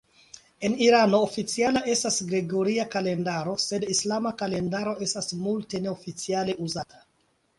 En Irano oficiala estas gregoria kalendaro sed islama kalendaro estas multe neoficiale uzata.